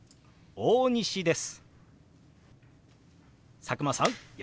大西です。